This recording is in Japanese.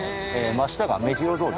真下が目白通り。